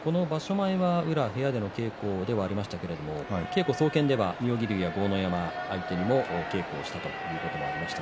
前は宇良は部屋での稽古ではありましたが稽古総見では妙義龍や豪ノ山相手にも稽古をしたということもありました。